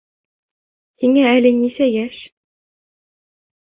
— Һиңә әле нисә йәш?